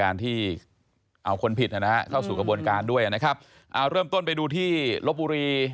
เราจะเริ่มต้นไปดูที่ลบบุรี